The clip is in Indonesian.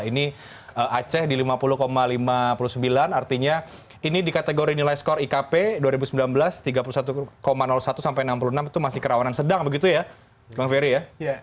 ini aceh di lima puluh lima puluh sembilan artinya ini di kategori nilai skor ikp dua ribu sembilan belas tiga puluh satu satu sampai enam puluh enam itu masih kerawanan sedang begitu ya bang ferry ya